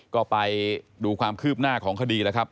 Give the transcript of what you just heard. ก็ไปดูความคืบหน้าของคดีแล้วครับ